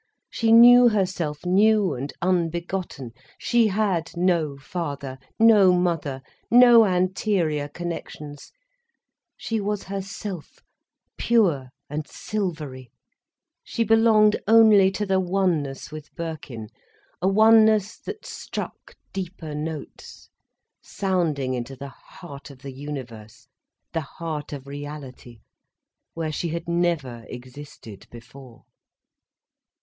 She knew herself new and unbegotten, she had no father, no mother, no anterior connections, she was herself, pure and silvery, she belonged only to the oneness with Birkin, a oneness that struck deeper notes, sounding into the heart of the universe, the heart of reality, where she had never existed before.